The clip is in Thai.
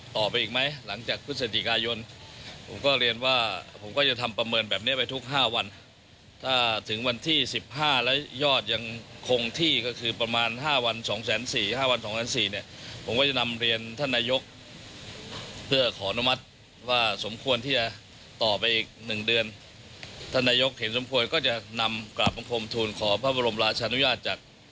ถ้านายกเห็นสมควรก็จะนำกราบบังคมธูนขอพระบรมราชนุญาตจากสมเด็จพระเจ้าอยู่หัว